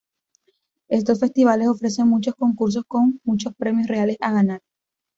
Estos festivales ofrecen muchos concursos, con muchos premios reales a ganar.